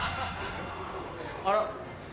あら？